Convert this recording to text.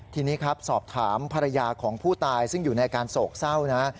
ทีนี้ครับสอบถามภรรยาของผู้ตายซึ่งอยู่ในอาการโศกเศร้านะ